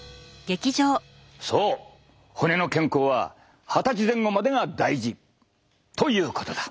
そう骨の健康は二十歳前後までが大事！ということだ。